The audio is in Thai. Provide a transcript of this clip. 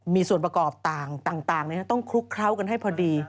มีส่วนประกอบต่างต้องคลุกเคล้ากันให้พอดี